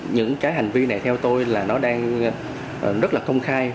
những cái hành vi này theo tôi là nó đang rất là công khai